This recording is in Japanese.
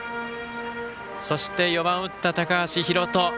そして４番を打った高橋海翔。